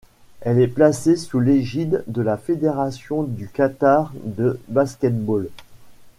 Elle est placée sous l'égide de la Fédération du Qatar de basket-ball.